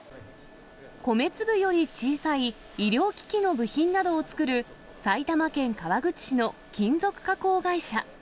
米粒より小さい医療機器の部品などを作る、埼玉県川口市の金属加工会社。